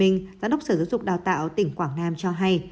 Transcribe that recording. giám đốc sở giáo dục đào tạo tỉnh quảng nam cho hay